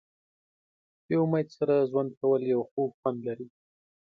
د امید سره ژوند کول یو خوږ خوند لري.